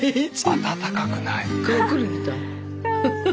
温かくない。